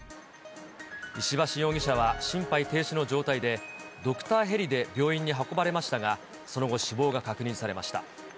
石橋容疑者は心肺停止の状態で、ドクターヘリで病院に運ばれましたが、その後、死亡が確認されました。